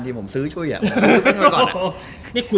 ทีมละ๓ใบ